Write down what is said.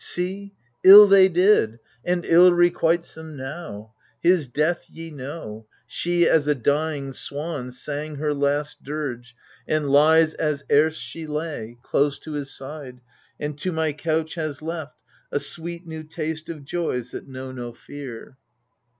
See, ill they did, and ill requites them now. His death ye know : she as a dying swan Sang her last dirge, and lies, as erst she lay. Close to his side, and to my couch has left A sweet new taste of joys that know no fear.